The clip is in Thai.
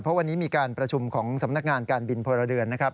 เพราะวันนี้มีการประชุมของสำนักงานการบินพลเรือนนะครับ